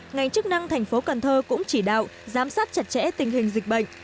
ngành chức năng thành phố cần thơ cũng chỉ đạo giám sát chặt chẽ tình hình dịch bệnh